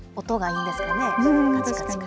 音がいいんですかね。